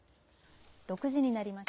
６時になりました。